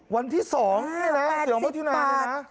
วันที่๒นี่แหละ๘๐บาท